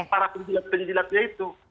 para pendidik pendidiknya itu